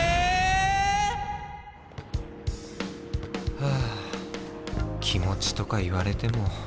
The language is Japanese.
⁉ハァ気持ちとか言われても。